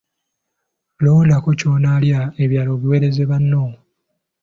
Londako ky'onaalya ebirala obiweereze banno.